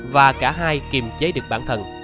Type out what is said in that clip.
và cả hai kiềm chế được bản thân